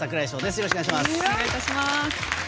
よろしくお願いします。